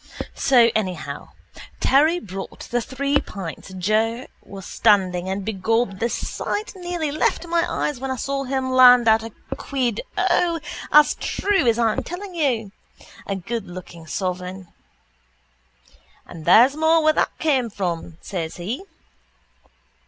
So anyhow Terry brought the three pints Joe was standing and begob the sight nearly left my eyes when I saw him land out a quid. O, as true as I'm telling you. A goodlooking sovereign. —And there's more where that came from, says he.